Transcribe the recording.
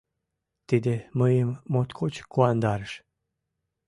Тиде мыйым моткоч куандарыш.